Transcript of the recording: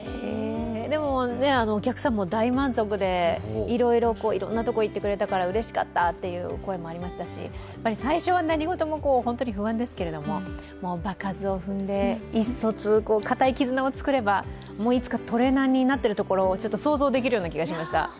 でもお客さんも大満足で、いろんなところに行ってくれたからうれしかったっていう声もありましたし場数を踏んで、意思疎通、かたい絆を作ればいつかトレーナーになっているところを想像できる気がしました。